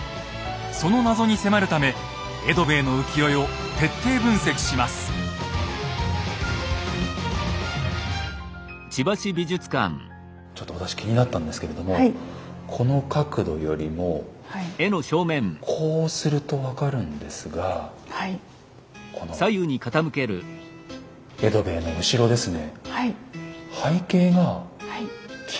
その謎に迫るためちょっと私気になったんですけれどもこの角度よりもこうすると分かるんですがこの江戸兵衛の後ろですね